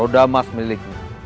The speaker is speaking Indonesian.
anda akan mendapatkan peluang